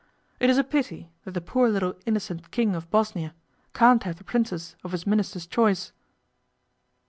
It is a pity that the poor little innocent King of Bosnia can't have the Princess of his Ministers' choice.